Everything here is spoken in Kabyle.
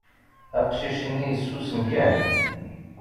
Aqcic-nni yessusem kan.